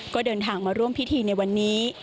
ก็เดินทางมาร่วมพิธีในวันนี้